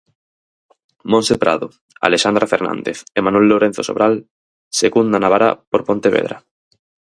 Montse Prado, Alexandra Fernández e Manuel Lourenzo Sobral secundan a Bará por Pontevedra.